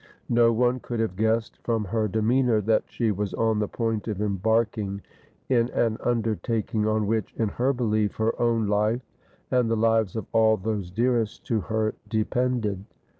No one could have guessed from her demeanor that she was on the point of embarking in an undertaking on which, in her beUef, her own life and the lives of all those dearest to her depended.